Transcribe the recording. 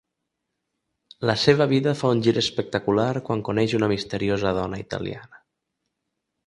La seva vida fa un gir espectacular quan coneix una misteriosa dona italiana.